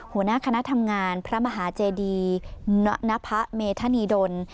หัวหน้าคณะทำงานพระมหาเจดีนพะเมธานีดล